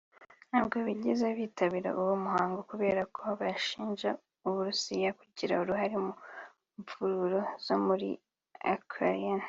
ntabwo bigeze bitabira uwo muhango kubera ko bashinja u Burusiya kugira uruhare mu mvururu zo muri Ukraine